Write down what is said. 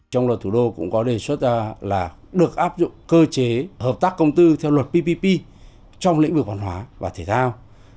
trong luật thủ đô cũng có đề xuất ra là được áp dụng cơ chế hợp tác công tư theo luật ppp trong lĩnh vực văn hóa và thể thao